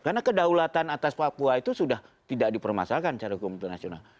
karena kedaulatan atas papua itu sudah tidak dipermasakan secara hukum internasional